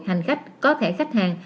hành khách có thẻ khách hàng